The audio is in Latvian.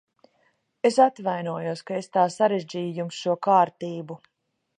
Es atvainojos, ka es tā sarežģīju jums šo kārtību.